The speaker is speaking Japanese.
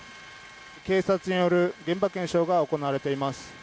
警察による現場検証が行われています。